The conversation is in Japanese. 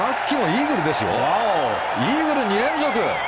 イーグル２連続！